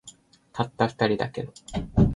たった二人だけの